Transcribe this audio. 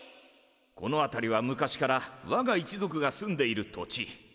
この辺りは昔からわが一族が住んでいる土地。